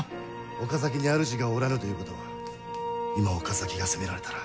岡崎にあるじがおらぬということは今岡崎が攻められたら。